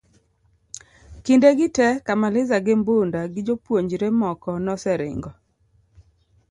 kinde gi te Kamaliza gi Mbunda gi jopuonjre moko noseringo